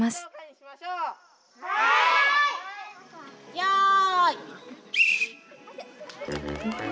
よい。